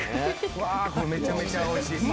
これめちゃめちゃおいしいっす。